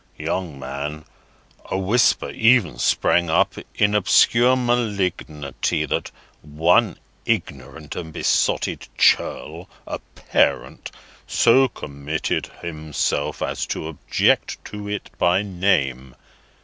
Young man, a whisper even sprang up in obscure malignity, that one ignorant and besotted Churl (a parent) so committed himself as to object to it by name.